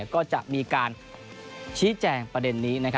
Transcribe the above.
ก็จะมีการชี้แจงประเด็นนี้